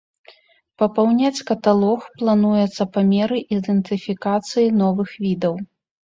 Папаўняць каталог плануецца па меры ідэнтыфікацыі новых відаў.